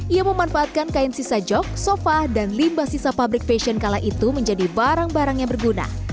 ia memanfaatkan kain sisa jog sofa dan limbah sisa pabrik fashion kala itu menjadi barang barang yang berguna